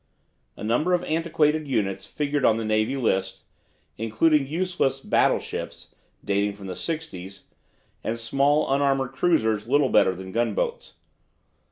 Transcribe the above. A number of antiquated units figured on the Navy List, including useless "battleships" dating from the 'sixties, and small unarmoured cruisers little better than gunboats.